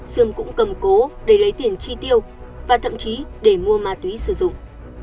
sươm cũng cầm cố để lấy tiền chi tiêu và thậm chí để mua ma túy sử dụng